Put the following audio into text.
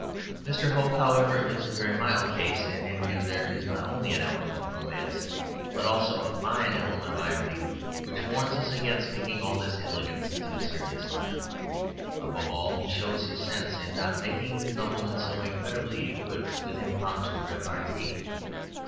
Mr. Hope, however, is a very mild case, and in him there is not only an element of romance, but also a fine element of irony which warns us against taking all this elegance too seriously. Above all, he shows his sense in not making his noblemen so incredibly equipped with impromptu repartee.